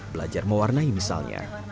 belajar mewarnai misalnya